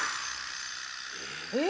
え？